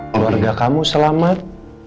keluarga kamu selamat